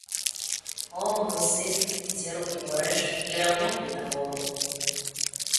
О, мой сын, цецярук яго рэж, не раўня плытагону.